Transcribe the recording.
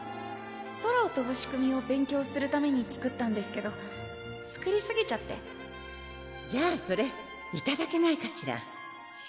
空をとぶ仕組みを勉強するために作ったんですけど作りすぎちゃってじゃあそれいただけないかしら？